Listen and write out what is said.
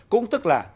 cũng tức là